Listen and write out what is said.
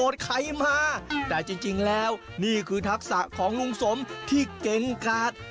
ใครมาแต่จริงแล้วนี่คือทักษะของลุงสมที่เก่งกาด